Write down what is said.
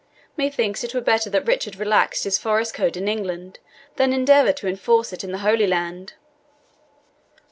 Methinks it were better that Richard relaxed his forest code in England, than endeavour to enforce it in the Holy Land."